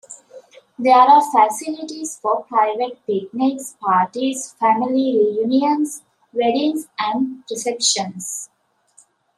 There are facilities for private picnics, parties, family reunions, weddings and receptions.